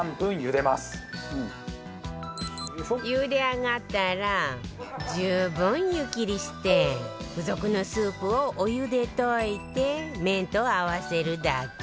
茹で上がったら十分湯切りして付属のスープをお湯で溶いて麺と合わせるだけ